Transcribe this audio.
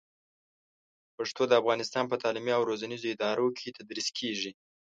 پښتو د افغانستان په تعلیمي او روزنیزو ادارو کې تدریس کېږي.